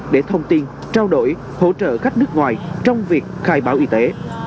để thông tin trao đổi hỗ trợ khách nước ngoài trong việc khai báo y tế